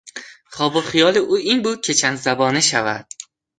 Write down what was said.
خواب و خیال او این بود که چند زبانه شود.